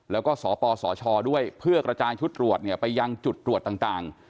แล้วก็สปสชด้วยเพื่อกระจายชุดตรวจไปยังจุดตรวจต่าง